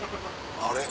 あれ？